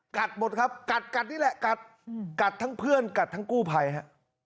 กัดหมดครับกัดกัดนี่แหละกัดกัดทั้งเพื่อนกัดทั้งกู้ภัยฮะ